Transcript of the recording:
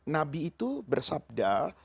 nabi itu bersabda